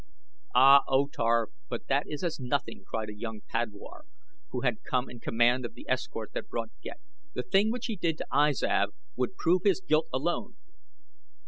"Ah, O Tar, but that is as nothing!" cried a young padwar who had come in command of the escort that brought Ghek. "The thing which he did to I Zav, here, would prove his guilt alone."